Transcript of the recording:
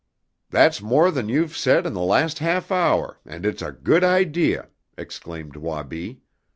"That's more than you've said in the last half hour, and it's a good idea!" exclaimed Wabi.